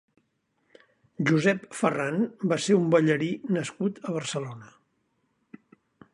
Josep Ferrán va ser un ballarí nascut a Barcelona.